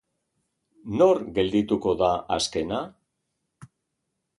Nor geldituko da azkena?